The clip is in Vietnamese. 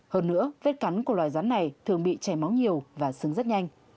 hơn nữa vết cắn của loài rắn này thường bị chảy máu nhiều và sưng rất nhanh